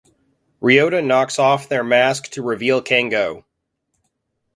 Ryota knocks off their mask to reveal Kengo.